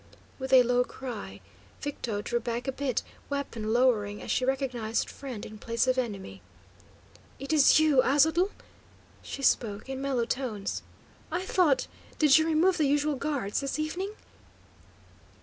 With a low cry, Victo drew back a bit, weapon lowering as she recognised friend in place of enemy. "It is you, Aztotl?" she spoke, in mellow tones. "I thought did you remove the usual guards, this evening?"